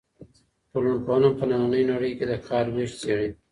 ټولنپوهنه په نننۍ نړۍ کې د کار وېش څېړي.